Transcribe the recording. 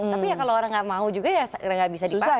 tapi ya kalau orang nggak mau juga ya nggak bisa dipakai